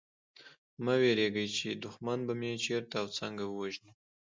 مه وېرېږی چي دښمن به مي چېرته او څنګه ووژني